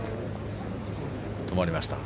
止まりました。